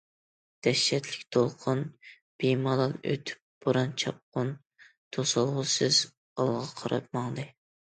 دەھشەتلىك دولقۇن بىمالال ئۆتۈپ، بوران- چاپقۇن توسالغۇسىز ئالغا قاراپ ماڭدى.